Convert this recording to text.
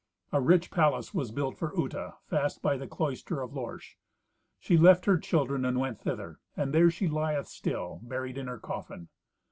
A rich palace was built for Uta fast by the cloister of Lorsch. She left her children and went thither, and there she lieth still, buried in her coffin.